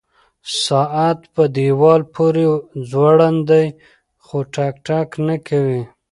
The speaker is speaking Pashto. ساعت په دیوال پورې ځوړند دی خو ټک ټک نه کوي.